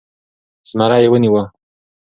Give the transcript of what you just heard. زمری يې و نيوی .